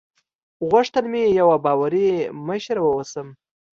غوښتل مې یوه باوري مشره واوسم.